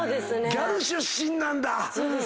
ギャル出身なんだ。